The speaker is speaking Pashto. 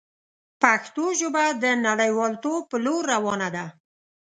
پښتو ژبه د نړیوالتوب په لور روانه ده.